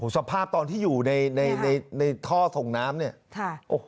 สภาพตอนที่อยู่ในในท่อส่งน้ำเนี่ยโอ้โห